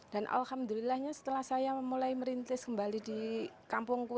dan alhamdulillahnya setelah saya mulai merintis kembali di kampung kue